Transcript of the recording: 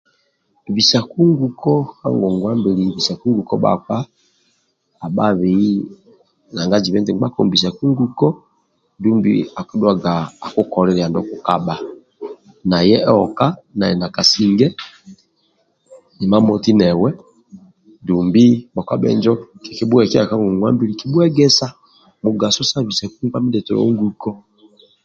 Bisaku nguko ka ngongwa mbili bisaku nguko bhakpa abhabei nanga jibe nti nkpa kombisaku nguko dumbi akidhuaga akukolilia ndio okukabha naye aoka nali na kasinge imamoti newe dumbi bhakpa bhenjo kikibhuekiaga ka ngongwa mbili kibhuegesa mugaso sa bisaiku nkpa mindietolo nguko